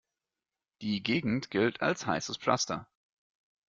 Die Gegend gilt als heißes Pflaster.